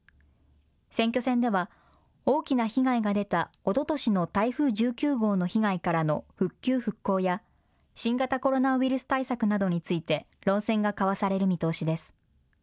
選挙戦では、大きな被害が出たおととしの台風１９号の被害からの復旧・復興や、新型コロナウイルス対策などについて論戦が交わされる見通しです。